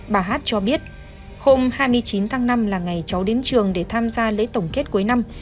bà hát cho biết hôm hai mươi chín tháng năm là ngày cháu đến trường để tham gia lễ tổng kết cuối năm